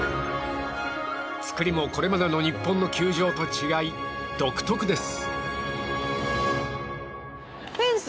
造りも、これまでの日本の球場と違い独特です。